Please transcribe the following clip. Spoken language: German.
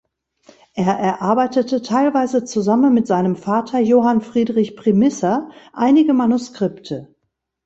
Er erarbeitete teilweise zusammen mit seinem Vater Johann Friedrich Primisser einige Manuskripte.